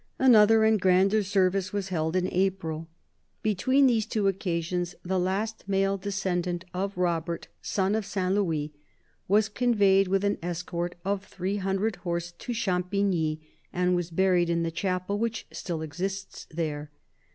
Another and grander service was held in April. Between these two occasions, the last male descendant of Robert, son of Saint Louis, was conveyed with an escort of three hundred horse to Champigny, and was buried in the chapel which still exists there.